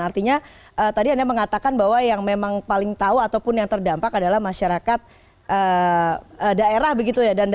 artinya tadi anda mengatakan bahwa yang memang paling tahu ataupun yang terdampak adalah masyarakat daerah begitu ya